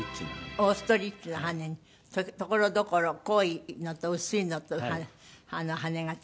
オーストリッチの羽根にところどころ濃いのと薄いのと羽根が付いてて。